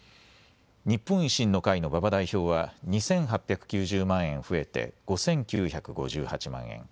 日本維新の会の馬場代表は２８９０万円増えて５９５８万円。